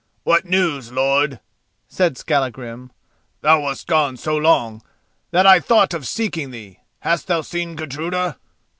"What news, lord?" said Skallagrim. "Thou wast gone so long that I thought of seeking thee. Hast thou seen Gudruda?"